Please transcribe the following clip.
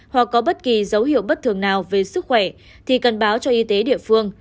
hoặc có bất kỳ dấu hiệu bất thường nào về sức khỏe thì cần báo cho y tế địa phương